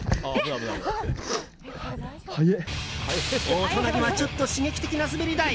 大人にはちょっと刺激的な滑り台。